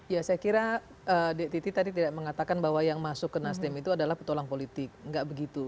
ya saya kira dek titi tadi tidak mengatakan bahwa yang masuk ke nasdem itu adalah petualang politik nggak begitu